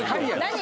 何？